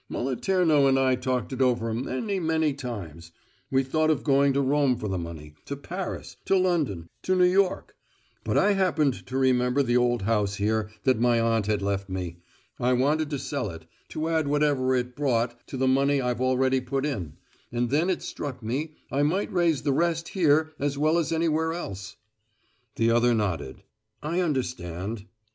Moliterno and I talked it over many, many times; we thought of going to Rome for the money, to Paris, to London, to New York; but I happened to remember the old house here that my aunt had left me I wanted to sell it, to add whatever it brought to the money I've already put in and then it struck me I might raise the rest here as well as anywhere else." The other nodded. "I understand."